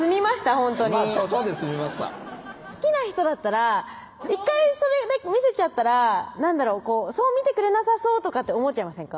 ほんとにちょちょで済みました好きな人だったら１回それで見せちゃったらそう見てくれなさそうとかって思っちゃいませんか？